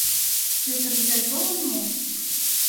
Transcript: Пӧтыр изай толын мо?